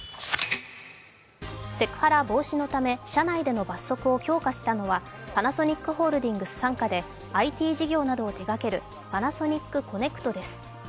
セクハラ防止のため社内での罰則を強化したのはパナソニックホールディングス傘下でＩＴ事業などを手がけるパナソニックコネクトです。